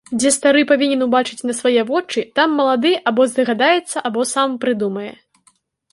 Дзе стары павінен убачыць на свае вочы, там малады або здагадаецца, або сам прыдумае.